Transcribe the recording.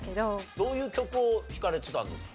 どういう曲を弾かれてたんですか？